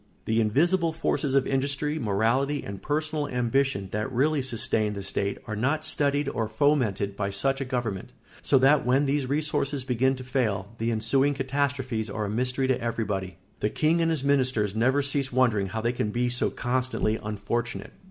The invisible forces of industry, morality, and personal ambition that really sustain the state are not studied or fomented by such a government; so that when these resources begin to fail, the ensuing catastrophes are a mystery to everybody. The king and his ministers never cease wondering how they can be so constantly unfortunate.